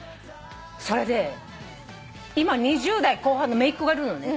それで今２０代後半のめいっ子がいるのね。